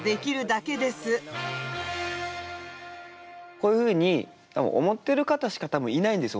こういうふうに思ってる方しか多分いないんですよ